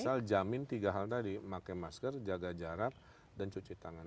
misal jamin tiga hal tadi pakai masker jaga jarak dan cuci tangan